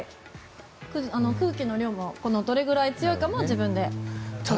空気の量もどれくらい強いかも自分で調整できます。